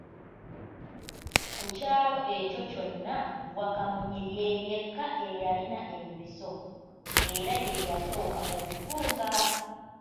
Ku kyalo ekyo kyonna, Wakamunye ye yekka eyalina empiso era ye yasooka okutunga.